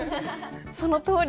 そのとおり。